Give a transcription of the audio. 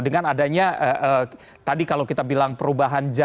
dengan adanya tadi kalau kita bilang perubahan jadwal